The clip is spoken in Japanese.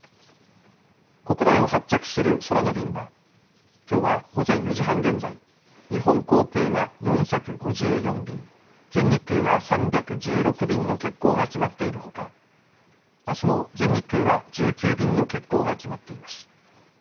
国内を発着する空の便はきょうは午前４時半現在、日本航空が４５４便、全日空が３１６便の欠航が決まっているほか、あすも全日空は１９便の欠航が決まっています。